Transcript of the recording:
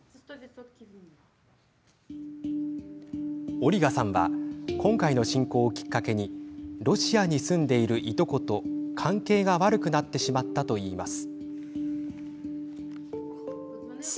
オリガさんは今回の侵攻をきっかけにロシアに住んでいるいとこと関係が悪くなってしまったといいます。